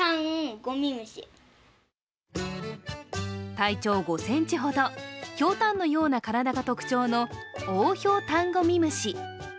体長５ｃｍほど、ひょうたんのような体が特徴のオオヒョウタンゴミムシ。